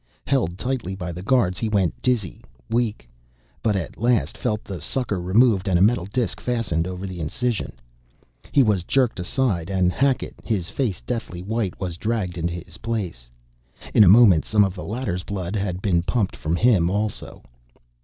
Held tightly by the guards he went dizzy, weak, but at last felt the sucker removed and a metal disk fastened over the incision. He was jerked aside and Hackett, his face deathly white, was dragged into his place. In a moment some of the latter's blood had been pumped from him also.